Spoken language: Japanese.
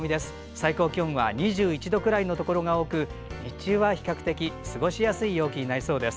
最高気温は２１度くらいのところが多く日中は比較的過ごしやすい陽気になりそうです。